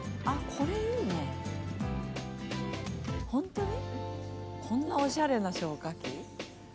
こんなおしゃれな消火器？